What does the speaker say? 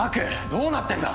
どうなってんだ！？